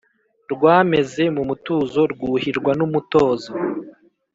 Rwameze mu mutuzo Rwuhirwa n'umutozo.